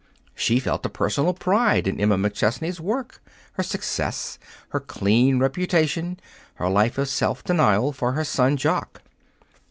She felt a personal pride in Emma McChesney's work, her success, her clean reputation, her life of self denial for her son Jock.